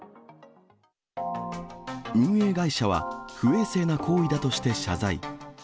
運営会社は、不衛生な行為だとして謝罪。